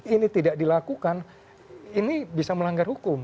ini tidak dilakukan ini bisa melanggar hukum